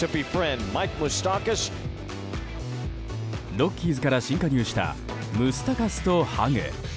ロッキーズから新加入したムスタカスとハグ。